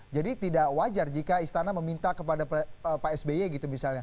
jadi tidak wajar jika istana meminta kepada pak sby gitu misalnya